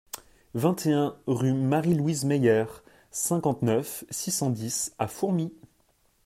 vingt et un rue Marie-Louise Meyer, cinquante-neuf, six cent dix à Fourmies